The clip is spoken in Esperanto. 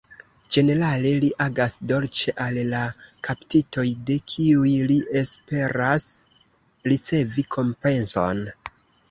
Ĝenerale, li agas dolĉe al la kaptitoj, de kiuj li esperas ricevi kompenson.